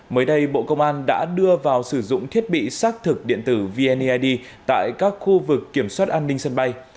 mới đây bộ công an đã đưa vào sử dụng thiết bị xác thực điện tử vneid tại các khu vực kiểm soát an ninh sân bay